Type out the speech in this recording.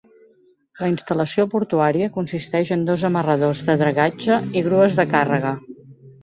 La instal·lació portuària consisteix en dos amarradors de dragatge i grues de càrrega.